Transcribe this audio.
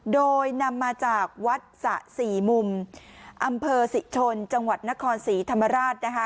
โดยนำมาจากวัดสะสี่มุมอำเภอศรีชนจังหวัดนครศรีธรรมราชนะคะ